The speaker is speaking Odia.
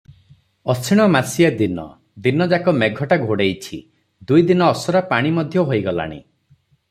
ଅଶିଣମାସିଆ ଦିନ, ଦିନ ଯାକ ମେଘଟା ଘୋଡେଇଛି, ଦୁଇ ଦିନ ଅସରା ପାଣି ମଧ୍ୟ ହୋଇଗଲାଣି ।